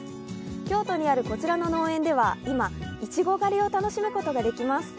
京都にあるこちらの農園では今まさにいちご狩りを楽しむことができます。